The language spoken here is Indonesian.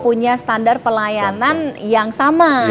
punya standar pelayanan yang sama